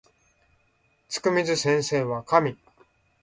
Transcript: つくみず先生は神